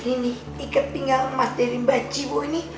ini nih ikat pinggang emas dari mbak jiwo ini